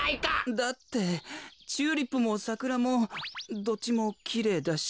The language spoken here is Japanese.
だってチューリップもサクラもどっちもきれいだし。